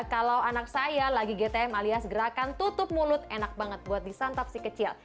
kalau anak saya lagi gtm alias gerakan tutup mulut enak banget buat disantap si kecil